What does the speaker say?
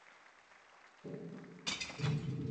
利乌克。